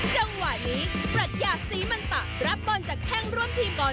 จังหวะนี้ปรัชญาศรีมันตะรับบอลจากแข้งร่วมทีมก่อน